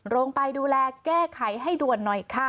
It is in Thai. ลงไปดูแลแก้ไขให้ด่วนหน่อยค่ะ